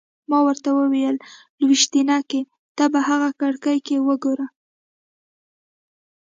ما ورته وویل: لویشتينکې! ته په هغه کړکۍ کې وګوره.